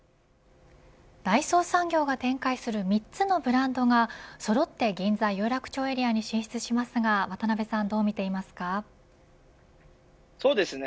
大創産業が展開する３つのブランドがそろって銀座有楽町エリアに進出しますがどう見ていますか。